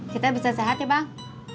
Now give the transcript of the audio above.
kita bisa sehat ya bang